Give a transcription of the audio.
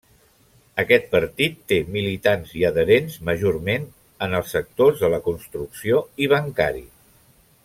Aquest partit té militants i adherents majorment en els sectors de la construcció i bancari.